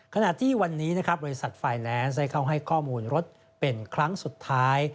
ขณะที่วันนี้นะครับบริษัทไฟแนนซ์ได้เข้าให้ข้อมูลรถเป็นครั้งสุดท้าย